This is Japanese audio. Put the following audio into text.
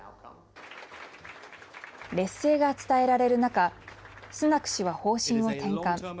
劣勢が伝えられる中スナク氏は方針を転換。